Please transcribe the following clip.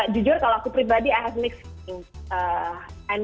jujur kalau aku pribadi i have mixed feelings